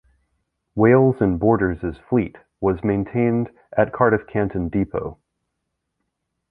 Wales and Borders's fleet was maintained at Cardiff Canton depot.